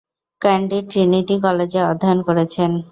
ক্যান্ডির Trinity কলেজে অধ্যয়ন করেছেন।